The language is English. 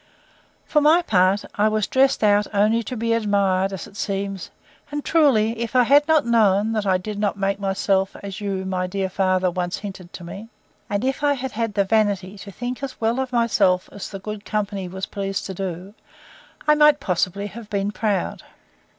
For my part, I was dressed out only to be admired, as it seems: and truly, if I had not known, that I did not make myself, as you, my dear father, once hinted to me, and if I had had the vanity to think as well of myself, as the good company was pleased to do, I might possibly have been proud.